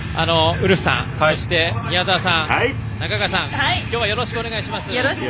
ウルフさん、そして宮澤さん中川さん、きょうはよろしくお願いします。